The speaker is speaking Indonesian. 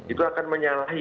itu akan menyalahi